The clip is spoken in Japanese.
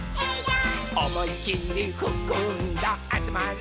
「おもいきりふくんだあつまれ」